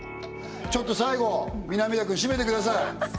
ちょっと最後南田君締めてください